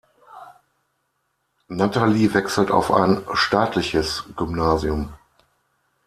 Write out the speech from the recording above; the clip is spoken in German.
Nathalie wechselt auf ein staatliches Gymnasium.